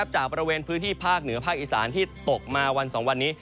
จากบริเวณพื้นที่ภาคเหนือภาคอีสานที่ตกมาวัน๒วันนี้